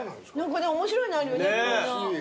面白いのあるよね。